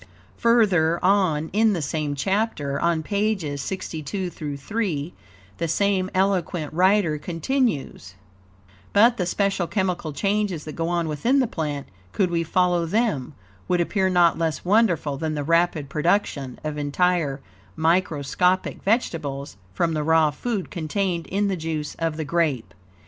Further on in the same chapter, on pages 62 3, the same eloquent writer continues: "But the special chemical changes that go on within the plant, could we follow them, would appear not less wonderful than the rapid production of entire microscopic vegetables from the raw food contained in the juice of the grape.